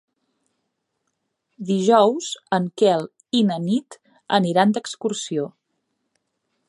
Dijous en Quel i na Nit aniran d'excursió.